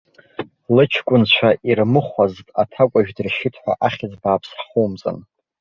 Лыҷкәынцәа ирмыхәазт аҭакәажә дыршьит ҳәа ахьӡ бааԥс ҳхумҵан.